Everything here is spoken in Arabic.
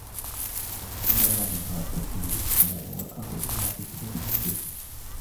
وَمَا مِنْ غَائِبَةٍ فِي السَّمَاءِ وَالْأَرْضِ إِلَّا فِي كِتَابٍ مُبِينٍ